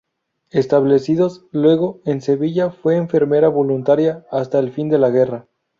Establecidos, luego, en Sevilla, fue enfermera voluntaria hasta el fin de la guerra.